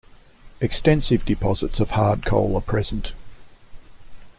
Extensive deposits of hard coal are present.